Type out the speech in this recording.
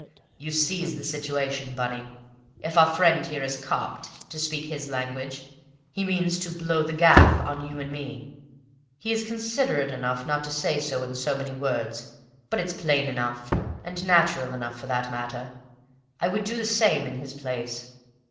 "You seize the situation, Bunny? If our friend here is 'copped,' to speak his language, he means to 'blow the gaff' on you and me. He is considerate enough not to say so in so many words, but it's plain enough, and natural enough for that matter. I would do the same in his place.